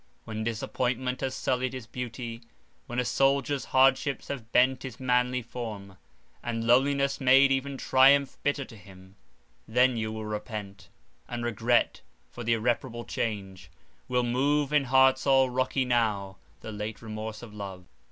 When disappointment has sullied his beauty, when a soldier's hardships have bent his manly form, and loneliness made even triumph bitter to him, then you will repent; and regret for the irreparable change "will move In hearts all rocky now, the late remorse of love."